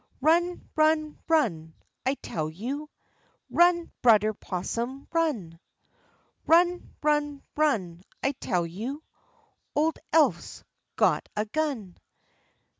Run, run, run, I tell you, Run, Brudder 'Possum, run! Run, run, run, I tell you, Ole Eph's got a gun.